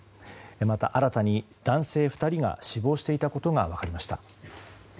また、新たに男性２人が死亡していたことが分かりました。